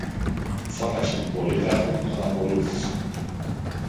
φώναξε του Πολύκαρπου που τον ακολουθούσε.